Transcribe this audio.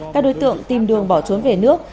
các đối tượng tìm đường bỏ trốn về nước